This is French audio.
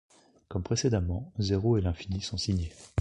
Comme précédemment, zéro et l'infini sont signés.